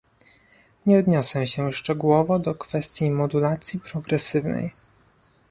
Nie odniosę się szczegółowo do kwestii modulacji progresywnej